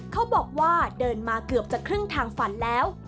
เขาบอกว่าเดินมาเกือบจะครึ่งทางฝันแล้ว